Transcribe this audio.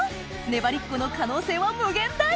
ねばりっこの可能性は無限大！